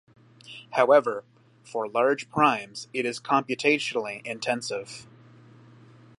However, for large primes it is computationally intensive.